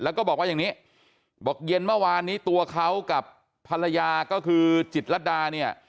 แล้วก็บอกว่าอย่างนี้บอกเย็นเมื่อวานนี้ตัวเขากับภรรยาก็คือจิตรดาเนี่ย